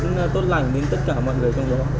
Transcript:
mong một điều đến tốt lành đến tất cả mọi người trong đó